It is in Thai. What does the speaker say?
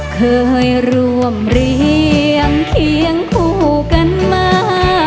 เคยร่วมเรียงเคียงคู่กันมา